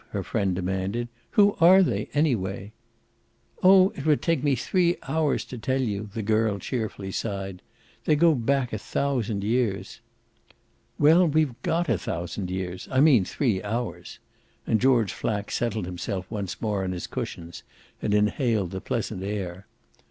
her friend demanded. "Who are they anyway?" "Oh it would take me three hours to tell you," the girl cheerfully sighed. "They go back a thousand years." "Well, we've GOT a thousand years I mean three hours." And George Flack settled himself more on his cushions and inhaled the pleasant air.